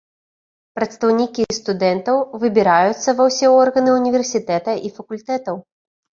Прадстаўнікі студэнтаў выбіраюцца ва ўсе органы універсітэта і факультэтаў.